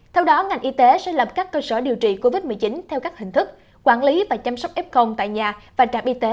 theo đó ngành y tế sẽ lập các cơ sở điều trị covid một mươi chín theo các hình thức quản lý và chăm sóc f tại nhà và trạm y tế